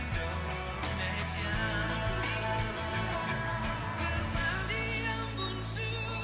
tuhan di atasku